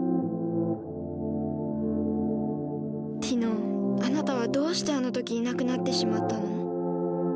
ティノあなたはどうしてあの時いなくなってしまったの？